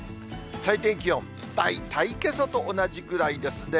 最低気温、大体けさと同じぐらいですね。